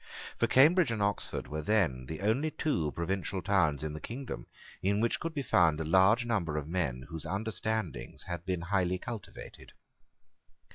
For Cambridge and Oxford were then the only two provincial towns in the kingdom in which could be found a large number of men whose understandings had been highly cultivated.